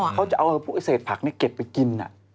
เค้าจะเอาเสธผักเก็บไปกิน